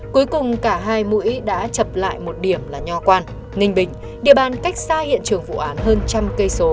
cuối cùng cả hai mũi đã chập lại một điểm là nho quang ninh bình địa bàn cách xa hiện trường vụ án hơn một trăm linh km